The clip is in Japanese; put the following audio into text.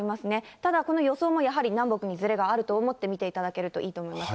ただこの予想もやはり南北にずれがあると思って見ていただけるといいと思います。